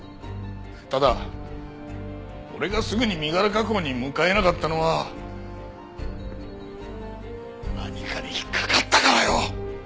ただ俺がすぐに身柄確保に向かえなかったのは何かに引っかかったからよ。